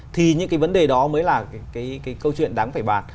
thì những vấn đề đó mới là câu chuyện đáng phải bàn